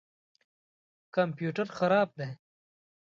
کمپیوټر خراب دی